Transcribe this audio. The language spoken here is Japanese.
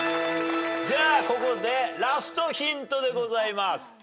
じゃあここでラストヒントでございます。